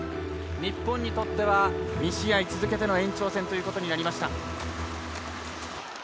日本にとっては２試合続けての延長戦となりました。